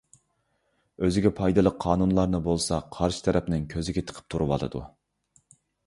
ئۆزىگە پايدىلىق قانۇنلارنى بولسا قارشى تەرەپنىڭ كۆزىگە تىقىپ تۇرۇۋالىدۇ.